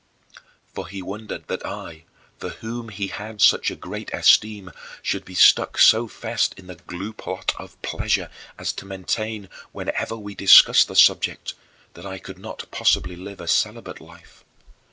22. For he wondered that I, for whom he had such a great esteem, should be stuck so fast in the gluepot of pleasure as to maintain, whenever we discussed the subject, that I could not possibly live a celibate life.